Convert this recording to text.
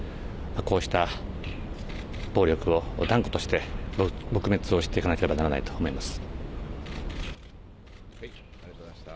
こうした暴力を断固として撲滅をしていかなければならないと思います。